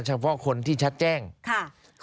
เฉพาะคนที่ชัดแจ้งค่ะ